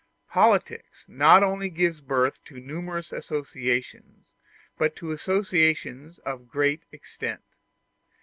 Politics not only give birth to numerous associations, but to associations of great extent.